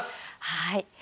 はい。